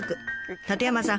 舘山さん